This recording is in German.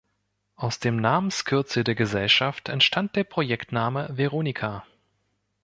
Aus dem Namenskürzel der Gesellschaft entstand der Projektname „Veronica“.